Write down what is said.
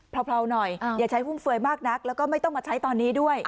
หน่อยอย่าใช้ฟุ่มเฟือยมากนักแล้วก็ไม่ต้องมาใช้ตอนนี้ด้วย